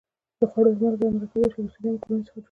د خوړلو مالګه یو مرکب دی چې له سوډیم او کلورین څخه جوړه ده.